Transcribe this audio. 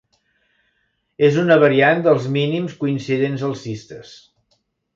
És una variant dels Mínims coincidents alcistes.